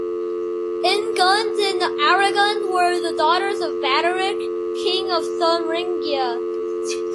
Ingund and Aregund were the daughters of Baderic, King of Thuringia.